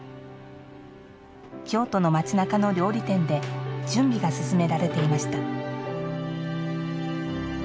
京都の町なかの料理店で準備が進められていました。